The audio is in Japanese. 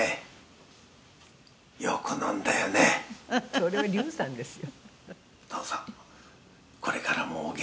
それは竜さんですよ。